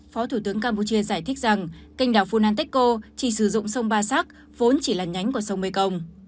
phó thủ tướng campuchia giải thích rằng kênh đảo funanteko chỉ sử dụng sông ba sắc vốn chỉ là nhánh của sông mekong